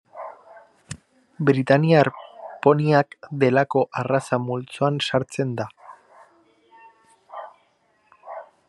Britainiar poniak delako arraza multzoan sartzen da.